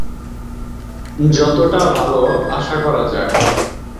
যতটা ভালো আশা করা যায়।